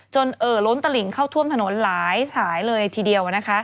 เอ่อล้นตลิงเข้าท่วมถนนหลายสายเลยทีเดียว